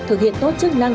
thực hiện tốt chức năng